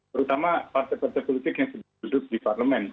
terutama partai partai politik yang sudah duduk di parlemen